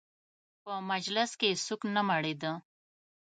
په مجلس یې څوک نه مړېده.